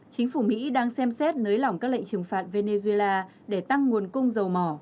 chính phủ mỹ đang xem xét nới lỏng các lệnh trừng phạt venezuela để tăng nguồn cung dầu mỏ